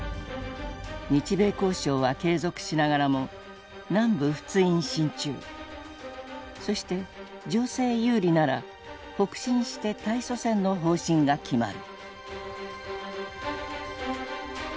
日米交渉は継続しながらも「南部仏印進駐」そして情勢有利なら「北進して対ソ戦」の方針が決まる。